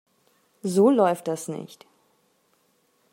So läuft das nicht.